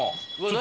何？